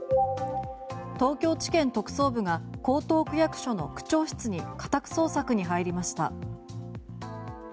東京地検特捜部が江東区役所の区長室に家宅捜索に入りました。